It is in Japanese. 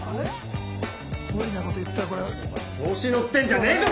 お前調子乗ってんじゃねえぞ！